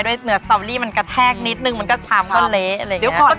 เนื้อสตอรี่มันกระแทกนิดนึงมันก็ช้ำก็เละอะไรอย่างนี้